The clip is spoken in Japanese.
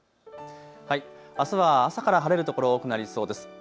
あすは朝から晴れる所多くなりそうです。